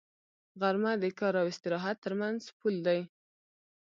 غرمه د کار او استراحت تر منځ پل دی